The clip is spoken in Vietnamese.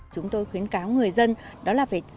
chúng tôi khuyến cáo người dân đó là phải sang miệng